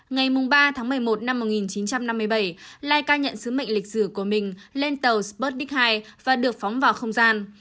ngày ba một mươi một một nghìn chín trăm năm mươi bảy laika nhận sứ mệnh lịch sử của mình lên tàu sputnik hai và được phóng vào không gian